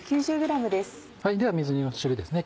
では水煮の汁ですね